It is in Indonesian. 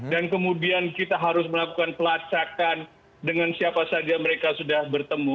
dan kemudian kita harus melakukan pelacakan dengan siapa saja mereka sudah bertemu